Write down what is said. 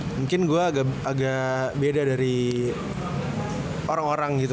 mungkin gue agak beda dari orang orang gitu